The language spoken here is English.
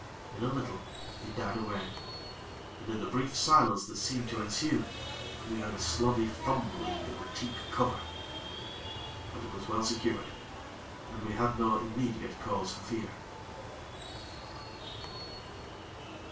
In a little, it died away, and in the brief silence that seemed to ensue, we heard a slobby fumbling at the teak cover; but it was well secured, and we had no immediate cause for fear.